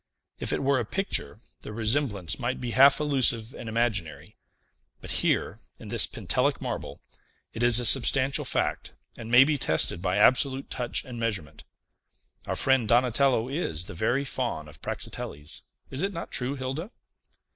If it were a picture, the resemblance might be half illusive and imaginary; but here, in this Pentelic marble, it is a substantial fact, and may be tested by absolute touch and measurement. Our friend Donatello is the very Faun of Praxiteles. Is it not true, Hilda?"